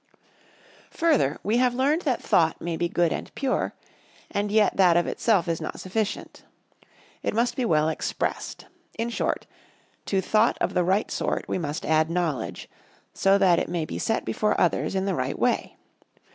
Further, we have learned that thought may be good and pure, and yet that of itself is not sufficient. It must be well expressed. In short, to thought of the right sort we must add knowledge, so that it may be set before others in the right way.